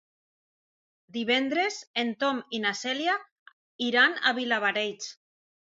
Divendres en Tom i na Cèlia iran a Vilablareix.